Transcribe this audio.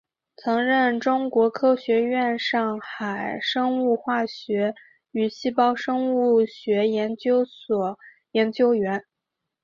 曾任中国科学院上海生物化学与细胞生物学研究所研究员。